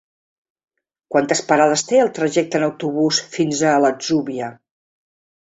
Quantes parades té el trajecte en autobús fins a l'Atzúbia?